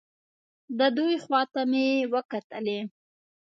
د دوی خوا ته مې وکتلې.